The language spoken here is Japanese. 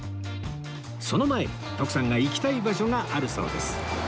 その前に徳さんが行きたい場所があるそうです